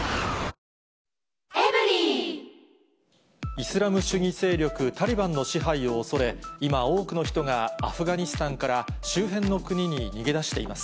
イスラム主義勢力タリバンの支配を恐れ、今、多くの人がアフガニスタンから周辺の国に逃げ出しています。